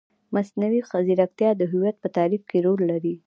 مصنوعي ځیرکتیا د هویت په تعریف کې رول لري.